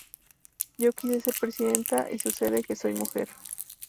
Yo quise ser presidenta, y sucede que soy mujer.